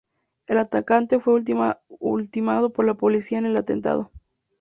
El atacante fue ultimado por la policía en el atentado.